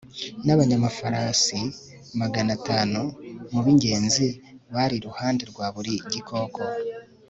n'abanyamafarasi magana atanu mu b'ingenzi bari iruhande rwa buri gikoko